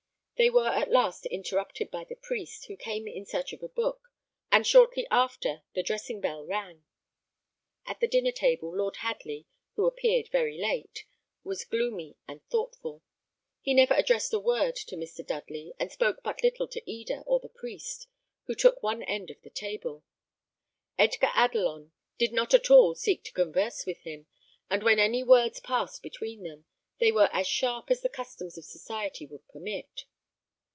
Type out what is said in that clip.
They were at last interrupted by the priest, who came in search of a book, and shortly after the dressing bell rang. At the dinner table, Lord Hadley, who appeared very late, was gloomy and thoughtful. He never addressed a word to Mr. Dudley, and spoke but little to Eda or the priest, who took one end of the table. Edgar Adelon did not at all seek to converse with him; and when any words passed between them, they were as sharp as the customs of society would permit.